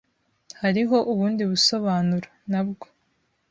Hariho ubundi busobanuro, nabwo.